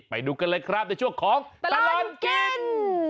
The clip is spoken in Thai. ไปดูกันเลยครับในช่วงของตลอดกิน